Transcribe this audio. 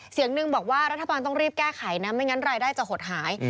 เสียงหนึ่งบอกว่ารัฐบาลต้องรีบแก้ไขนะไม่งั้นรายได้จะหดหาย